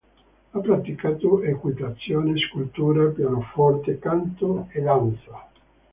Ha praticato equitazione, scultura, pianoforte, canto, e danza.